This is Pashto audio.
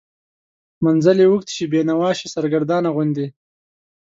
منزل یې اوږد شي، بینوا شي، سرګردانه غوندې